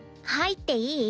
はい。